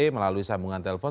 melalui sambungan telepon